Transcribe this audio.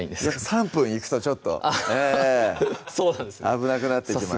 ３分いくとちょっとええ危なくなってきます